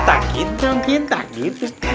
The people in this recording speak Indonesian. atau gitu mungkin tak gitu